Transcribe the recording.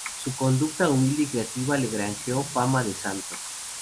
Su conducta humilde y caritativa le granjeó fama de santo.